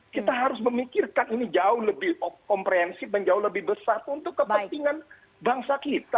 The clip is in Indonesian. kita harus memikirkan ini jauh lebih komprehensif dan jauh lebih besar untuk kepentingan bangsa kita